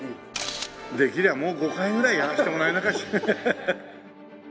できればもう５回ぐらいやらせてもらえない？